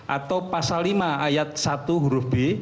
atau pasal lima ayat satu huruf b